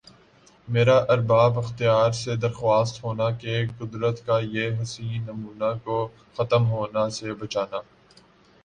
میرا ارباب اختیار سے درخواست ہونا کہ قدرت کا یِہ حسین نمونہ کو ختم ہونا سے بچنا